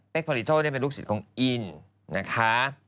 เป๊กผลิตโทษเป็นลูกศิษย์ของอินนะคะ